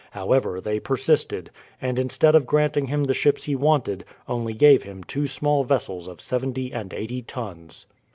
However, they persisted, and instead of granting him the ships he wanted, only gave him two small vessels of seventy and eighty tons.